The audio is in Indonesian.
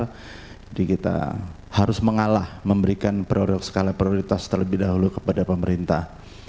jadi kita harus mengalah memberikan skala prioritas terlebih dahulu kepada pemerintah